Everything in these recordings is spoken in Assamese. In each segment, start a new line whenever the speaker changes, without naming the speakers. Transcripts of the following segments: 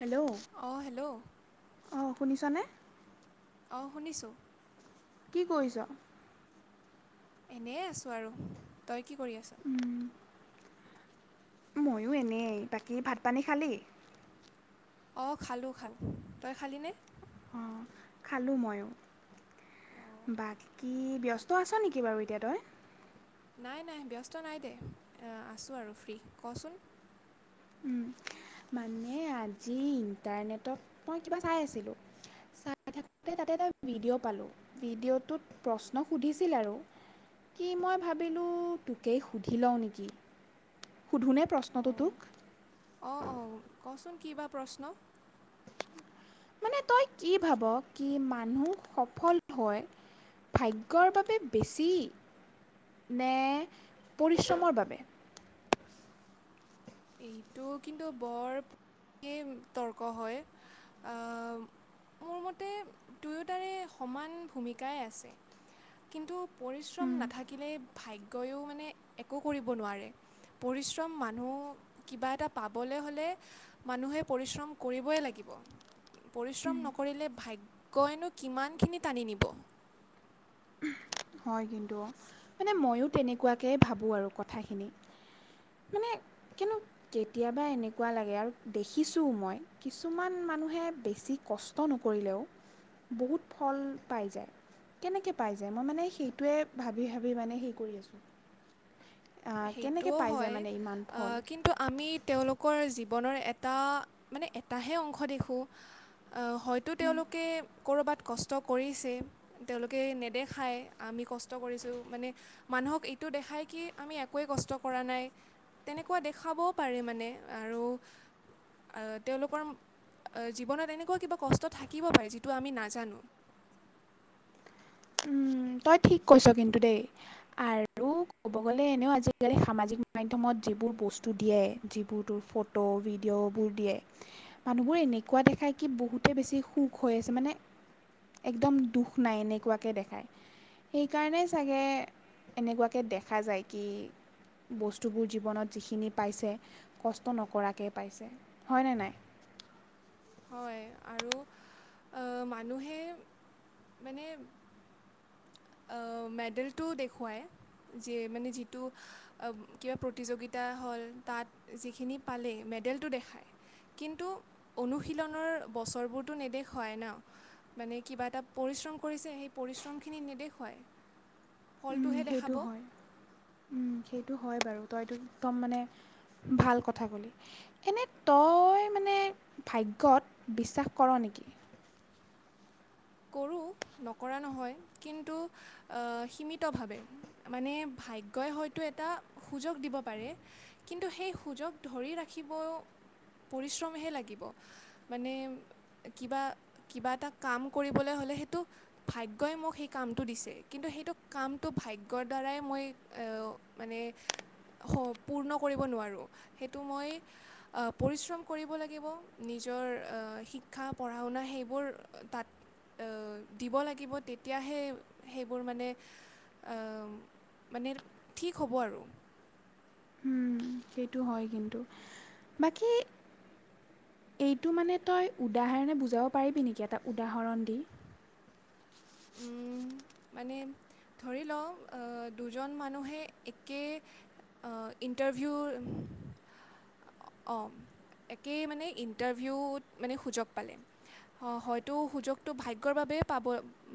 হেল্ল'!
অ' হেল্ল'।
অ' শুনিছানে?
অ' শুনিছোঁ।
কি কৰিছ?
এনেই আছোঁ আৰু, তই কি কৰি আছ।
উম, ময়ো এনেই, বাকী ভাত পানী খালি।
অ' খালোঁ, খালোঁ। তই খালিনে?
উম, খালোঁ ময়ো।
অঁ
বাকী ব্যস্ত আছ নেকি বাৰু, এতিয়া তই
নাই, নাই ব্যস্ত নাই দে আছোঁ আৰু ফ্ৰী ক'চোন
উম, মানে আজি ইণ্টাৰনেটত মই কিবা চাই আছিলোঁ চাই থাকোঁতে তাতে এটা ভিডিঅ' পালোঁ, ভিডিঅ'টোত প্ৰশ্ন সুধিছিল আৰু কি মই ভাবিলোঁ, তোকেই সুধি লওঁ নেকি। সুধোনে প্ৰশ্নটো তোক?
অ', অ' ক'চোন কি বা প্ৰশ্ন?
মানে তই কি ভাব, কি মানুহ সফল হৈ ভাগ্যৰ বাবে বেছি, নে পৰিশ্ৰমৰ বাবে?
এইটো কিন্তু বৰ, [inaudible] কি তৰ্ক হয়। অ', মোৰ মতে দুয়োতাৰে সমান ভূমিকাই আছে। কিন্তু পৰিশ্ৰম নাথাকিলেই ভাগ্য ভাগ্যও মানে একো কৰিব নোৱাৰে, পৰিশ্ৰম মানুহ কিবা এটা পাবলৈ হ'লে, মানুহে পৰিশ্ৰম কৰিবই লাগিব। পৰিশ্ৰম নকৰিলে, ভাগ্যই নো কিমানখিনি টানি নিব।
হয় কিন্তু, মানে ময়ো তেনেকুৱা কেই ভাবোঁ আৰু কথাখিনি। মানে কিনো, কেতিয়াবা এনেকুৱা লাগে আৰু দেখিছোঁও মই কিছুমান মানুহে বেছি কষ্ট নকৰিলেও বহুত ফল পাই যায়। কেনেকৈ পাই যায় মই মানে সেইটোৱে ভাবি ভাবি মানে হেৰি কৰি আছোঁ। আহ কেনেকে পাই যায় মানে, ইমান ফল
ত' আমি তেওঁলোকৰ জীৱনৰ এটা, মানে এটাহে অংশ দেখোঁ আ' হয়তো তেওঁলোকে ক'ৰবাত কষ্ট কৰিছে। তেওঁলোকে নেদেখায় আমি কষ্ট কৰিছোঁ মানে মানুহক এইটো দেখায় কি আমি একোৱেই কষ্ট কৰা নাই, তেনেকুৱা দেখাবও পাৰে মানে আৰু আ তেওঁলোকৰ, আ জীৱনত এনেকুৱা কিবা কষ্ট থাকিব পাৰে যিটো আমি নাজানো।
উম, তই ঠিক কৈছ কিন্তু দেই, আৰু উ ক'ব গ'লে এনেও আজিকালি সামাজিক মধ্যমত যিবোৰ বস্তু দিয়ে, যিবোৰ তোৰ ফট ট ভিডিঅ'বোৰ দিয়ে। মানুহবোৰে এনেকুৱা দেখায় কি বহুতে বেছি সুখ হৈ আছে মানে একদম দুখ নাই এনেকুৱাকে দেখায়। সেইকাৰণে চাগে, এনেকুৱাকে দেখা যায় কি বস্তুবোৰ জীৱনত যিখিনি পাইছে কষ্ট নকৰাকে পাইছে, হয়নে নাই?
হয় আৰু, আ মানুহে মানে অ', মেডেলটো দেখুৱায়। যে মানে যিটো অব কিবা প্ৰতিযোগিতা হ'ল তাত যিখিনি পালে, মেডেলটো দেখায়। কিন্তু, অনুশীলনৰ বছৰবোৰতো নেদেখুৱাই ন? মানে কিবা এটা পৰিশ্ৰম কৰিছে সেই পৰিশ্ৰমখিনি নেদেখুৱাই।
উম সেইটো হয়। উম, সেইটো হয় বাৰু তই এইটো একদম মানে ভাল কথা ক'লি। এনেই তই মানে ভাগ্যত বিশ্বাস কৰ নেকি?
কৰোঁ নকৰা নহয়, কিন্তু আ সীমিতভাৱে। মানে ভাগ্যই হয়তো এটা সুযগ দিব পাৰে। কিন্তু সেই সুযগ ধৰি ৰাখিবও পৰিশ্ৰমহে লাগিব, মানে কিবা কিবা এটা কাম কৰিবলৈ হ'লে সেইটো ভাগ্যই মোক সেই কামটো দিছে, কিন্তু সেইটো কামটো ভাগ্যৰ দ্বাৰাই মই এ অ মানে সপূৰ্ণ কৰিব নোৱাৰোঁ, সেইটো মই আ পৰিশ্ৰম কৰিব লাগিব, নিজৰ আ শিক্ষা পঢ়া শুনা সেইবোৰ তাত অ দিব লাগিব তেতিয়াহে সেইবোৰ মানে আম মানে ঠিক হ'ব আৰু।
উ উ সেইটো হয় কিন্তু, বাকী এইটো মানে তই উদাহৰণে বুজাব পাৰিবি নেকি এটা উদাহৰণ দি?
উম। মানে ধৰি লওঁ আ দুজন মানুহে একে আ ইণ্টাৰভিউ অ', একেই মানে ইণ্টাৰভিউত মানে সুযগ পালে হ হয়তো সুযগটো ভাগ্যৰ বাবেই পাব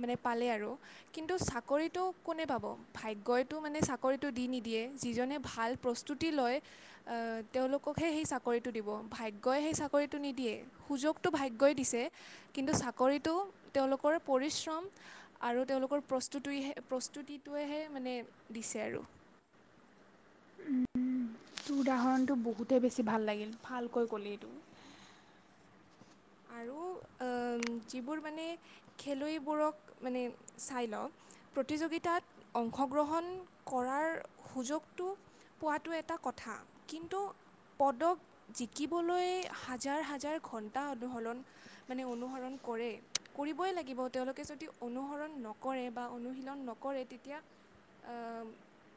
মানে পালে আৰু কিন্তু চাকৰিটো কোনে পাব ভাগ্যইটো মানে চাকৰিটো দি নিদিয়ে যিজনে ভাল প্ৰস্তুতি লয় আ তেওঁলোকহে সেই চাকৰিটো দিব ভাগ্যই সেই চাকৰিটো নিদিয়ে সুযোগটো ভাগ্যই দিছে কিন্তু চাকৰিটো তেওঁলোকৰ পৰিশ্ৰম আৰু তেওঁলোকৰ প্ৰস্তুটোইহে প্ৰস্তুতিটোৱেহে মানে দিছে আৰু
তোৰ উদাহৰণটো বহুতেই বেছি ভাল লাগিল ভালকৈ কলি এইটো
আৰু
[inaudible]
আম যিবোৰ মানে খেলুৱৈবোৰক মানে চাই ল প্ৰতিযোগিতাত অংশগ্ৰহণ কৰাৰ সুযোগটো পোৱাটো এটা কথা কিন্তু পদক জিকিবলৈ হাজাৰ হাজাৰ ঘণ্টা অনুসৰণ মানে অনুসৰণ কৰে। কৰিবই লাগিব তেওঁলোকে যদি অনুসৰণ নকৰে বা অনুশীলন নকৰে তেতিয়া আম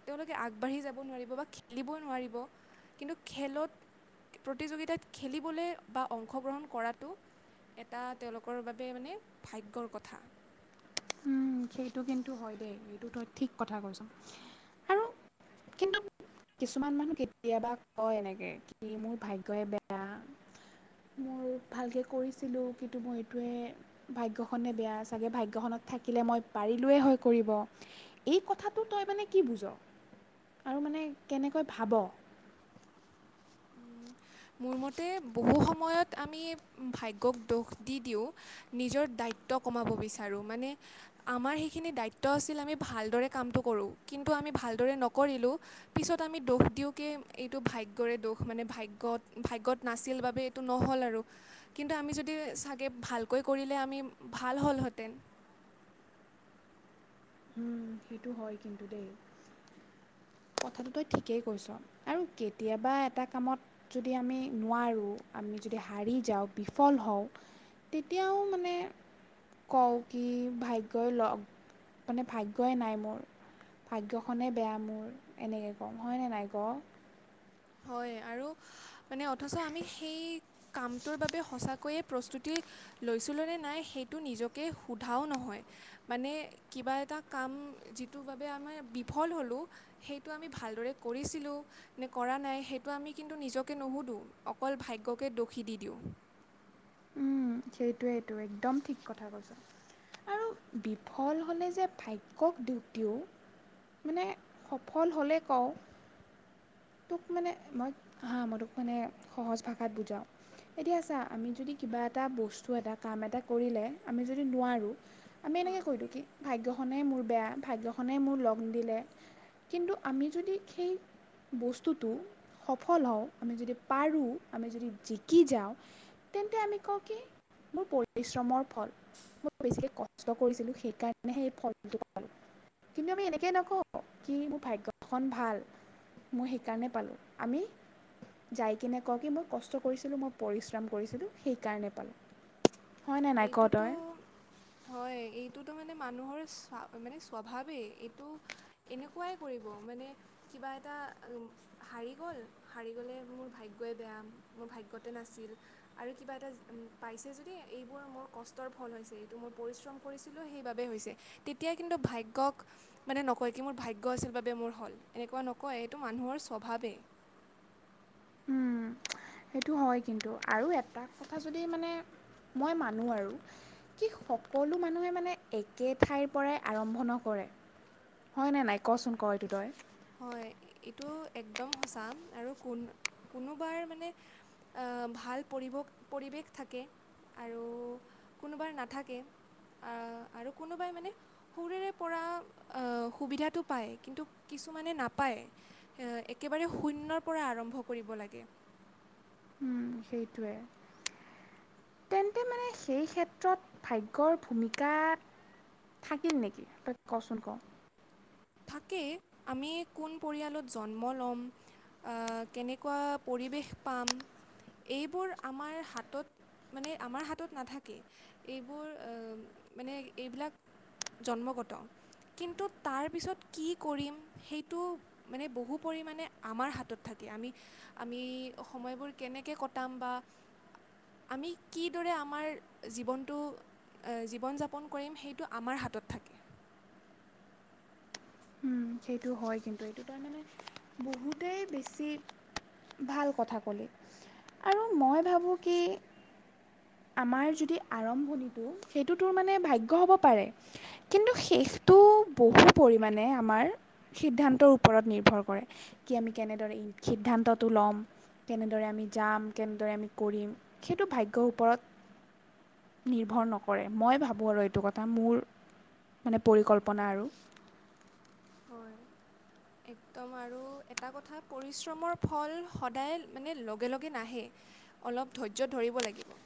তেওঁলোকে আগবাঢ়ি যাব নোৱাৰিব বা খেলিব নোৱাৰিব কিন্তু খেলত, প্ৰতিযোগিতাত খেলিবলৈ বা অংশগ্ৰহণ কৰাত টো এটা তেওঁলোকৰ বাবে মানে ভাগ্যৰ কথা।
অ সেইটো কিন্তু হয় দেই এইটো তই ঠিক কথা কৈছ আৰু কিন্তু কিছুমান মানুহ কেতিয়াবা কয় এনেকে কি মোৰ ভাগ্যই বেয়া মোৰ ভালকে কৰিছিলোঁ কিন্তু মই এইটোৱে ভাগ্যখনে বেয়া চাগে ভাগ্যখনত থাকিলে মই পাৰিলোৱে হৈ কৰিব এই কথাটো তই মানে কি বুজ? আৰু মানে কেনেকৈ ভাব? [inaudible]
মোৰ মতে বহু সময়ত আমি ভাগ্যক দোষ দি দিওঁ নিজৰ দ্বায়িত্ব কমাব বিচাৰো মানে আমাৰ সেইখিনি দায়িত্ব আছিল আমি ভালদৰে কামটো কৰোঁ কিন্তু আমি ভালদৰে নকৰিলোঁ পিছত আমি দোষ দিওঁ কে এইটো ভাগ্যৰে দোষ খ মানে ভাগ্যত, ভাগ্যত নাছিল বাবে এইটো নহ'ল আৰু কিন্তু আমি যদি চাগে ভালকৈ কৰিলে আমি ভাল হ'লহেঁতেন?
উম সেইটো হয় কিন্তু দেই। কথাটো তই ঠিকেই কৈছ আৰু কেতিয়াবা এটা কামত যদি আমি নোৱাৰোঁ, আমি যদি হাৰি যাওঁ, বিফল হওঁ তেতিয়াও মানে কওঁ কি ভাগ্যই লগ মানে ভাই গ্যই নাই মোৰ, ভাগ্যখনে বেয়া মোৰ এনেকে কম হয়নে নাই ক?
হয় আৰু মানে অথচ আমি সেই কামটোৰ বাবে সঁচাকৈয়ে প্ৰস্তুতি লৈছিলো নে নাই সেইটো নিজকে সোধাও নহয় মানে কিবা এটা কাম, যিটোৰ বাবে আমাৰ বিফল হ'লো সেইটো আমি ভালদৰে কৰিছিলোঁ নে কৰা নাই সেইটো আমি কিন্তু নিজকে নুশুধোঁ, অকল ভাগ্যকে দোষী দি দিওঁ।
উম সেইটোৱেইটো একদম ঠিক কথা কৈছ। আৰু বিফল হ'লে যে ভাগ্যক দোষ দিও মানে সফল হ'লে কওঁ তোক মানে মই, হা মই তোক মানে সহজ ভাষাত বুজাওঁ। এতিয়া চা, আমি যদি কিবা এটা বস্তু এটা কাম এটা কৰিলে আমি যদি নোৱাৰোঁ আমি এনেকে
হয়
কৈ দিওঁ কি ভাগ্যখনেই মোৰ বেয়া, ভাগ্যখনে মোৰ লগ নিদিলে কিন্তু আমি যদি সেই বস্তুটো সফল হওঁ, আমি যদি পাৰোঁ, আমি যদি জিকি যাওঁ তেন্তে আমি কওঁ কি, মোৰ পৰিশ্ৰমৰ ফল। মই বেছিকে কষ্ট কৰিছিলো সেইকাৰণেহে এই ফলটো পালো। কিন্তু আমি এনেকে নকওঁ কি মোৰ ভাগ্যখন ভাল। মই সেইকাৰণে পালো, আমি যাই কিনে কওঁ কি, মই কষ্ট কৰিছিলো মই পৰিশ্ৰম কৰিছিলো সেইকাৰণে পালো। হয় নাই? ক
এইটোতো
তই
হয়, এইটোতো মানে মানুহৰ স্বা মানে স্বভাৱেই এইটো এনেকুৱাই কৰিব মানে কিবা এটা উম হাৰি গ'ল হাৰি গ'লে মোৰ ভাগ্যই বেয়া মোৰ ভাগ্যতে নাছিল। আৰু কিবা এটা উম পাইছে যদি এইবোৰ মোৰ কষ্টৰ ফল হৈছে এইটো মই পৰিশ্ৰম কৰিছিলোঁ সেইবাবেই হৈছে। তেতিয়া কিন্তু ভাগ্যক মানে নকয় কি মোৰ ভাগ্য আছিল বাবে মোৰ হ'ল এনেকুৱা নকয় এইটো মানুহৰ স্বভাৱেই।
সেইটো হয় কিন্তু আৰু এটা কথা যদি মানে মই মানো আৰু। কি সকলো মানুহে মানে একে ঠাইৰ পৰাই আৰম্ভ নকৰে। হয় নে নাই? ক চোন ক এইটো তই।
হয়, এইটো একদম সঁচা আৰু কোন কোনোবাই মানে এ ভাল পৰিব পৰিৱেশ থাকে। আৰু কোনোবাৰ নাথাকে। আ আৰু কোনোবাই মানে সৰুৰে পৰা আ সুবিধাটো পায়। কিন্তু কিছুমানে নাপায় এ একেবাৰে শূন্যৰ পৰা আৰম্ভ কৰিব লাগে।
উম, সেইটোৱে। তেন্তে মানে সেই ক্ষেত্ৰত ভাগ্যৰ ভূমিকা থাকিল নেকি, তই ক চোন ক!
থাকেই আমি কোন পৰিয়ালত জন্ম ল'ম। আ কেনেকুৱা পৰিৱেশ পাম। এইবোৰ আমাৰ হাতত মানে আমাৰ হাতত নাথাকেই। এইবোৰ অ' মানে এইবিলাক জন্মগত। কিন্তু তাৰ পিছত কি কৰিম সেইটো মানে বহু পৰিমাণে আমাৰ হাতত থাকে। আমি আমি সময়বোৰ কেনেকে কটাম বা আমি কিদৰে আমাৰ জীৱনটো এ জীৱন যাপন কৰিম সেইটো আমাৰ হাতত থাকে।
উম, সেইটো হয় কিন্তু এইটো তাৰমানে বহুতেই বেছি ভাল কথা কলি। আৰু মই ভাবো কি আমাৰ যদি আৰম্ভণিটো সেইটো তোৰ মানে ভাগ্য হ'ব পাৰে। কিন্তু শেষটো বহু পৰিমাণে আমাৰ সিদ্ধান্তৰ ওপৰত নিৰ্ভৰ কৰে, কি আমি কেনেদৰে সিদ্ধান্তটো ল'ম। কেনেদৰে আমি যাম কেনেদৰে আমি কৰিম সেইটো ভাগ্যৰ ওপৰত নিৰ্ভৰ নকৰে, মই ভাবো আৰু এইটো কথা মোৰ মানে পৰিকল্পনা আৰু।
হয় একদম আৰু এটা কথা পৰিশ্ৰমৰ ফল সদায় মানে লগে লগে নাহে। অলপ ধৈৰ্য্য ধৰিব লাগিব।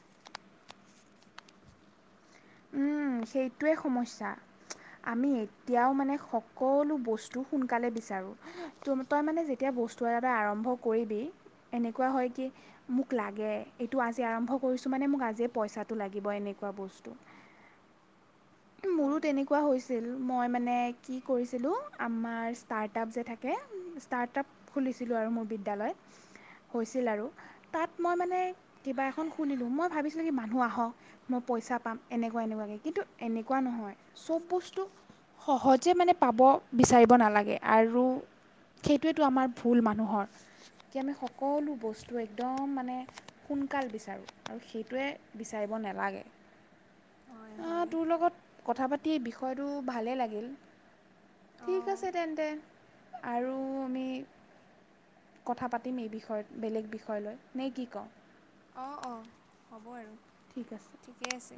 উম, সেইটোৱে সমস্যা। আমি এতিয়াৰ মানে সকলো বস্তু সোনকালে বিচাৰো। তোৰ তই মানে যেতিয়া বস্তু এটা আৰম্ভ কৰিবি এনেকুৱা হয় কি মোক লাগে এইটো আজি আৰম্ভ কৰিছো মানে মোক আজিয়ে পইচাটো লাগিব এনেকুৱা বস্তু। মোৰো
হয়
তেনেকুৱা হৈছিল মই মানে কি কৰিছিলো আমাৰ ষ্টাৰ্টআপ যে থাক তাকে ষ্টাৰ্টআপ খুলিছিলোঁ আৰু মোৰ বিদ্যালয়ত হৈছিল আৰু তাত মই মানে কিবা এখন খুলিলোঁ মই ভাবিছিলোঁ কি মানুহ আহক মই পইচা পাম এনেকুৱা এনেকুৱাকে কিন্তু এনেকুৱা নহয় চব বস্তু সহজে মানে পাব বিচাৰিব নালাগে আৰু সেইটোৱেতো আমাৰ ভুল মানুহৰ কি আমি সকলো বস্তু একদম মানে সোনকাল বিচাৰোঁ সেইটোৱে বিচাৰিব নালাগে
হয়
আ
হয়
তোৰ লগত কথা পাতি বিষয়টো ভালেই লাগিল ঠিক
অঁ
আছে তেন্তে আৰু আমি কথা পাতিম এই বিষয়ত বেলেগ বিষয় লৈ নে কি কৱ
অ অ হ'ব আৰু।
ঠিক আছে
ঠিকে আছে